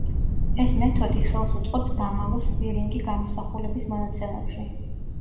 ეს მეთოდი ხელს უწყობს დამალოს სვირინგი გამოსახულების მონაცემებში.